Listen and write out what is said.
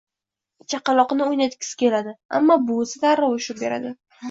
Chaqaloqni o`ynatgisi keladi, ammo buvisi darrov urishib beradi